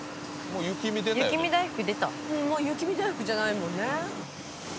もう雪見だいふくじゃないもんね。